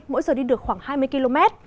mỗi giờ đi được khoảng hai mươi km